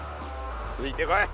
ついてこい。